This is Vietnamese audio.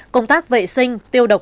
công tác vệ sinh tiêu độc